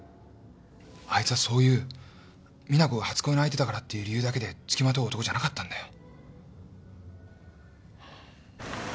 あいつはそういう実那子が初恋の相手だからっていう理由だけで付きまとう男じゃなかったんだよ。